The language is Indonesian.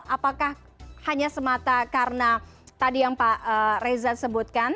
apakah hanya semata karena tadi yang pak reza sebutkan